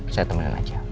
saya temenin aja